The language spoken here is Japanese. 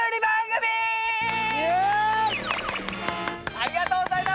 ありがとうございます！